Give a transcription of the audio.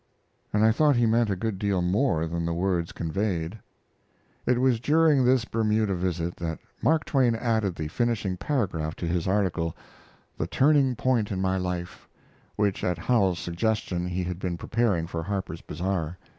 And I thought he meant a good deal more than the words conveyed. It was during this Bermuda visit that Mark Twain added the finishing paragraph to his article, "The Turning Point in My Life," which, at Howells's suggestion, he had been preparing for Harper's Bazar.